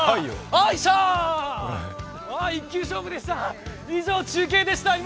一球勝負でした。